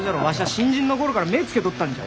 新人の頃から目ぇつけとったんじゃ。